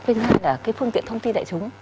bây giờ là cái phương tiện thông tin đại chúng